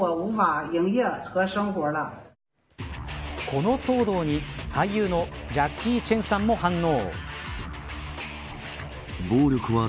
この騒動に俳優のジャッキー・チェンさんも反応。